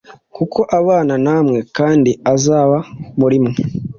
kuko abana namwe kandi azaba muri mwe.